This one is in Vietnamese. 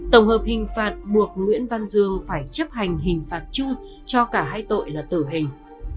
tổng hợp hình phạt buộc nguyễn văn dương phải chấp hành hình phạt chung cho cả hai tội là tử hình